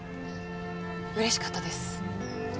嬉しかったです。